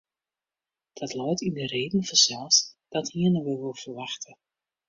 Dat leit yn de reden fansels, dat hienen we wol ferwachte.